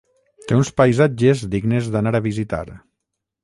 Té uns paisatges dignes d'anar a visitar.